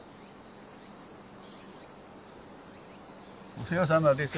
お世話さまです。